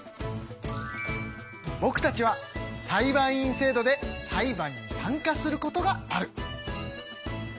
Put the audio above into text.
ぼくたちは裁判員制度で裁判に参加することがある。